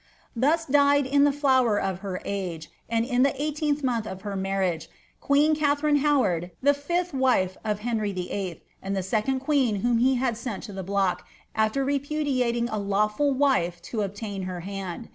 Thus died in the flower of her age, and in the eighteenth month of her marriage, queen Katharine Howard, the fifth w9e of Henry VIII., and the second queen whom he had sent to the block, af\er repudiating a lawful wife to obtain her hand.